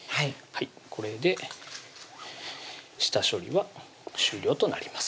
これで下処理は終了となります